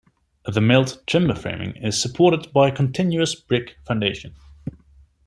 The milled timber framing is supported by a continuous brick foundation.